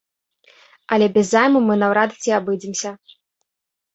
Але без займу мы наўрад ці абыдземся.